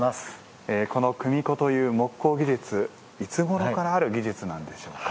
この組子という木工技術いつごろからある技術なんでしょうか？